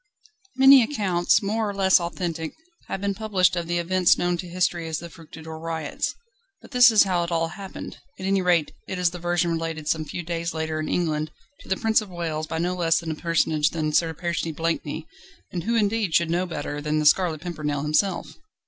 Many accounts, more or less authentic, have been published of the events known to history as the "Fructidor Riots." But this is how it all happened: at any rate it is the version related some few days later in England to the Prince of Wales by no less a personage than Sir Percy Blakeney; and who indeed should know better than The Scarlet Pimpernel himself?